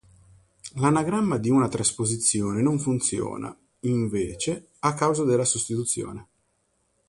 L'anagrammare di una trasposizione non funziona, invece, a causa della sostituzione.